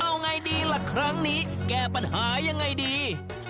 เอาไงดีล่ะครั้งนี้แก้ปัญหายังไงดี